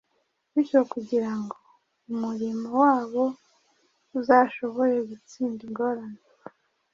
bityo kugira ngo umurimo wabo uzashobore gutsinda ingorane,